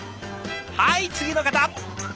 はい次の方！